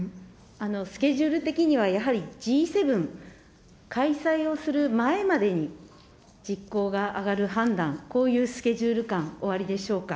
スケジュール的にはやはりＧ７開催をする前までに実効が上がる判断、こういうスケジュール感おありでしょうか。